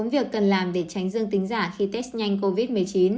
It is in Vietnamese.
việc cần làm để tránh dương tính giả khi test nhanh covid một mươi chín